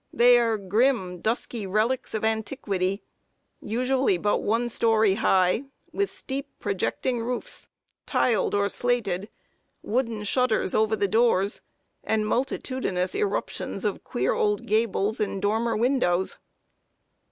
They are grim, dusky relics of antiquity, usually but one story high, with steep projecting roofs, tiled or slated, wooden shutters over the doors, and multitudinous eruptions of queer old gables and dormer windows.